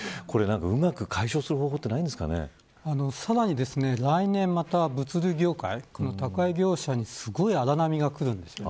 うまく解消する方法はさらに来年、また物流業界宅配業者に荒波が来るんです。